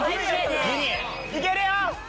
いけるよ！